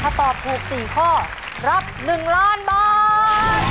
ถ้าตอบถูก๔ข้อรับ๑ล้านบาท